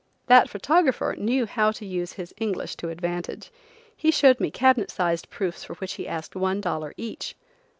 That photographer knew how to use his English to advantage. He showed me cabinet sized proofs for which he asked one dollar each.